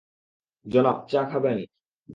জনাব, চা খাবেন?